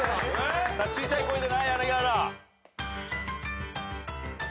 小さい声でな柳原。